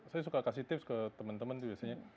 saya suka kasih tips ke teman teman biasanya